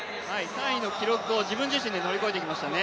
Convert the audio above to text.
３位の記録を自分自身で超えてきましたね。